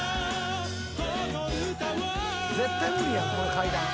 絶対無理やんこの階段。